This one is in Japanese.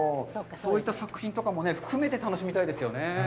そういった作品とかも含めて楽しみたいですね。